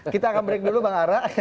kita akan break dulu bang ara